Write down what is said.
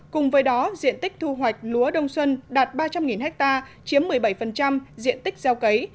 cùng với đó diện tích thu hoạch lúa đông xuân đạt ba trăm linh ha chiếm một mươi bảy diện tích gieo cấy